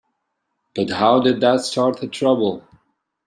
But how did that start the trouble?